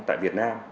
tại việt nam